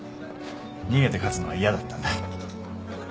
逃げて勝つのは嫌だったんだ。